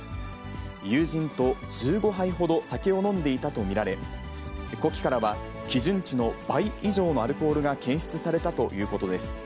友人と１５杯ほど酒を飲んでいたと見られ、呼気からは、基準値の倍以上のアルコールが検出されたということです。